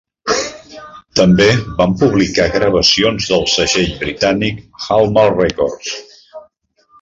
També van publicar gravacions del segell britànic Hallmark Records.